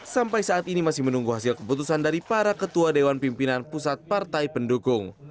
sampai saat ini masih menunggu hasil keputusan dari para ketua dewan pimpinan pusat partai pendukung